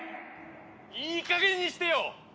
いい加減にしてよ！